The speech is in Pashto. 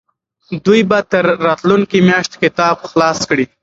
دوی به تر راتلونکې میاشتې کتاب خلاص کړي.